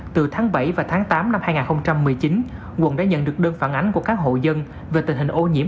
từ tháng bảy và tháng tám năm hai nghìn một mươi chín quận đã nhận được đơn phản ánh của các hộ dân về tình hình ô nhiễm